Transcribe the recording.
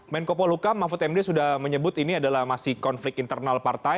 menko poluka mahfud md sudah menyebut ini adalah masih konflik internal partai